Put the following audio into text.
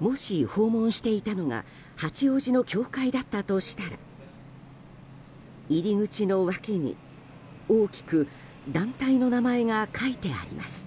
もし訪問していたのが八王子の教会だったとしたら入り口の脇に大きく団体の名前が書いてあります。